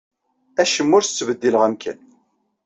Acemma ur as-ttbeddileɣ amkan.